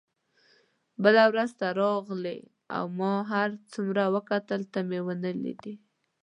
بله ورځ ته راغلې او ما هر څومره وکتل تا مې ونه لیدل.